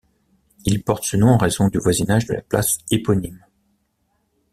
Il porte ce nom en raison du voisinage de la place éponyme.